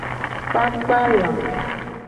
Kpakpa la.